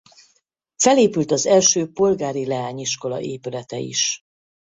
Felépült az első polgári leányiskola épülete is.